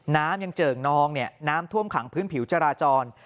น้ำยังเจิ่งนองเนี่ยน้ำท่วมขังพื้นผิวจราจร